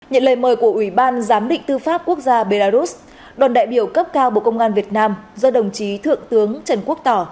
nhận lời mời của ủy ban giám định tư pháp quốc gia belarus đoàn đại biểu cấp cao bộ công an việt nam do đồng chí thượng tướng trần quốc tỏ